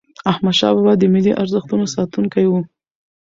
احمدشاه بابا د ملي ارزښتونو ساتونکی و.